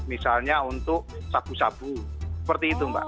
misalnya untuk sabu sabu seperti itu mbak